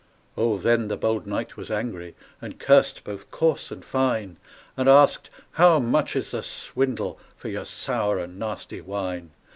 Oh, then the bold knight was angry, And cursed both coarse and fine; And asked, "How much is the swindle For your sour and nasty wine?"